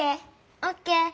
オッケー。